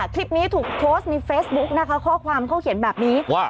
คลิปนี้ถูกโพสต์ในเฟซบุ๊กนะคะข้อความเขาเขียนแบบนี้ว่า